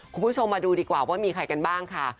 คุณผู้ชมมาดูดีกว่าว่ามีใครกันบ้างค่ะ